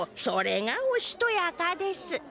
それが「おしとやか」です。